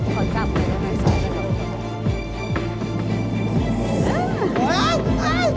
ขอจับหน่อยก่อนให้สาว